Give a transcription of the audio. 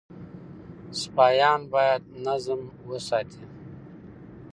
سپایان باید نظم وساتي.